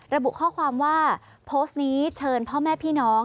ระบุข้อความว่าโพสต์นี้เชิญพ่อแม่พี่น้อง